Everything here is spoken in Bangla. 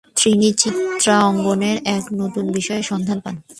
তিনি চিত্রাঙ্কনের এক নতুন বিষয়ের সন্ধান পান।